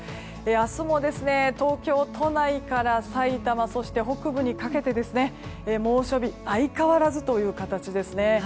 明日も東京都内から埼玉、そして北部にかけて猛暑日相変わらずという形ですね。